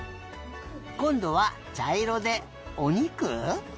こんどはちゃいろでおにく？